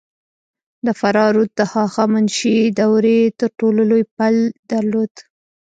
د فراه رود د هخامنشي دورې تر ټولو لوی پل درلود